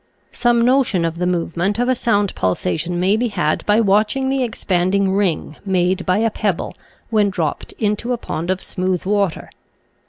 Some notion of the movement of a sound pulsation may be had by watching the ex panding ring made by a pebble when dropped into a pond of smooth water.